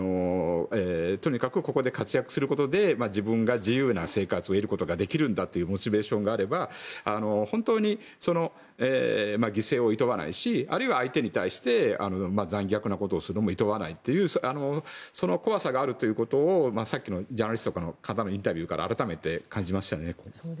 とにかくここで活躍することで自分が自由な生活を得ることができるんだというモチベーションがあれば本当に犠牲をいとわないしあるいは、相手に対して残虐なことをするのもいとわないというその怖さがあるということをさっきのジャーナリストの方のインタビューから改めて感じました。